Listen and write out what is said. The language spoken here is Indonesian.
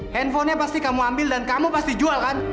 handphonenya pasti kamu ambil dan kamu pasti jual kan